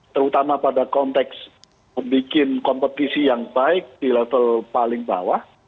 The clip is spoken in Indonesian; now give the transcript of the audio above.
terutama pada konteks membuat kompetisi yang baik di level paling bawah